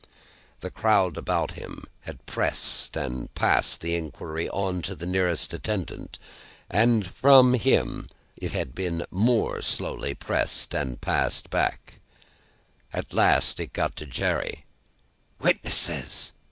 The crowd about him had pressed and passed the inquiry on to the nearest attendant, and from him it had been more slowly pressed and passed back; at last it got to Jerry: "Witnesses."